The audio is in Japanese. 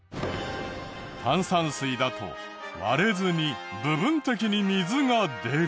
炭酸水だと割れずに部分的に水が出る。